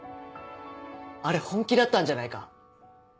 あれ本気だったんじゃないか？